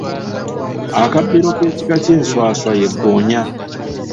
Akabbiro k’ekika ky’enswaswa ye ggoonya.